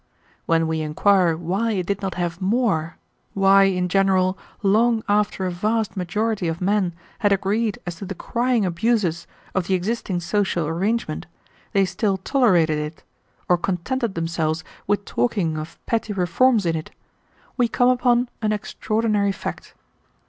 "When we inquire why it did not have more, why, in general, long after a vast majority of men had agreed as to the crying abuses of the existing social arrangement, they still tolerated it, or contented themselves with talking of petty reforms in it, we come upon an extraordinary fact.